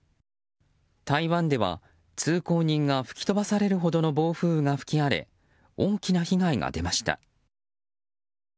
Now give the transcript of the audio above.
台湾では通行人が吹き飛ばされるほどの暴風が吹き荒れ大きな被害が出ました。